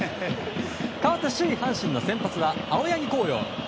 かわって首位、阪神の先発は青柳晃洋。